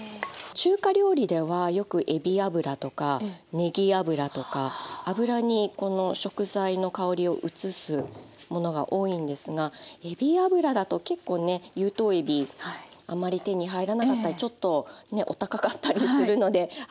中華料理ではよくえび油とかねぎ油とか油にこの食材の香りを移すものが多いんですがえび油だと結構ね有頭えびあまり手に入らなかったりちょっとねお高かったりするのであ